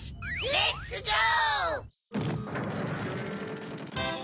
レッツゴー！